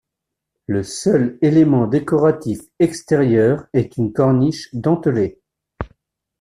Le seul élément décoratif extérieur est une corniche dentelée.